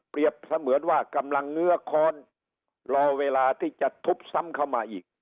เสมือนว่ากำลังเงื้อค้อนรอเวลาที่จะทุบซ้ำเข้ามาอีก